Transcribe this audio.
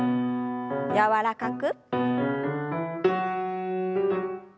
柔らかく。